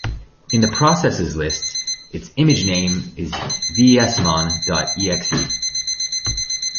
In the processes list its Image Name is "vsmon dot exe".